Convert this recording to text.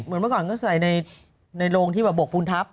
เหมือนมาก่อนใส่ในโรงที่บกบุญทัพ